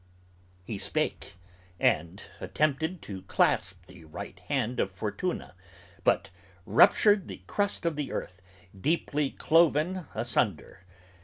"He spake ... and attempted to clasp the right hand of Fortuna, But ruptured the crust of the earth, deeply cloven, asunder.